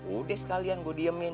udah sekalian gue diemin